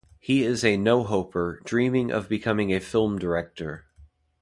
He is a no-hoper dreaming of being a film director.